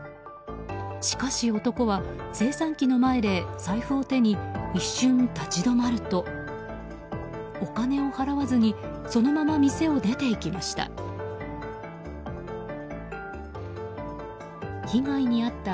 しかし、男は精算機の前で財布を手に一瞬立ち止まるとお金を払わずにそのまま店を出て行きました。